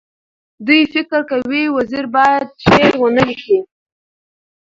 دوی فکر کوي وزیر باید شعر ونه لیکي.